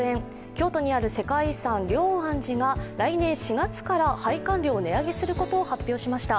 京都にある世界遺産、龍安寺が来年４月から拝観料を値上げすることを発表しました。